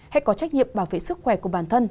hãy có trách nhiệm bảo vệ sức khỏe của bản thân